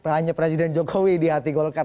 hanya presiden jokowi di hati golkar